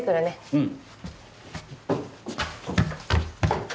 うん。